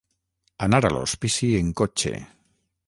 Anar a l'hospici en cotxe.